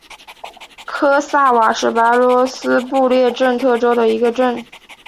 科萨瓦是白俄罗斯布列斯特州的一个镇。